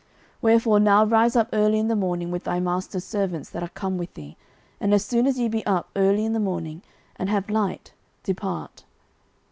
09:029:010 Wherefore now rise up early in the morning with thy master's servants that are come with thee: and as soon as ye be up early in the morning, and have light, depart.